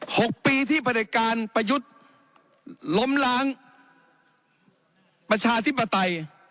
หกปีที่ประเด็จการประยุทธ์ล้มล้างประชาธิปไตย